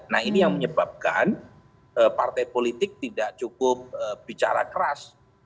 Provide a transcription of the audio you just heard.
nah ini yang menyebabkan partai politik tidak cukup bicara keras